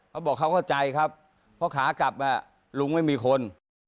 เขาบอกเขาเข้าใจครับเพราะขากลับลุงไม่มีคน